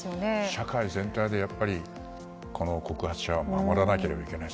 社会全体でこの告発者は守らなければいけない。